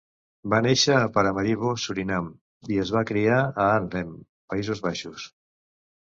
Va néixer a Paramaribo, Surinam, i es va criar a Arnhem, Països Baixos.